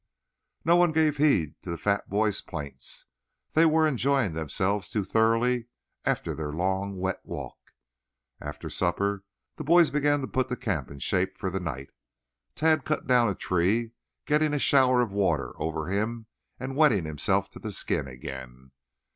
No one gave heed to the fat boy's plaints. They were enjoying themselves too thoroughly after their long wet walk. After supper the boys began to put the camp in shape for the night. Tad cut down a tree, getting a shower of water over him and wetting himself to the skin again.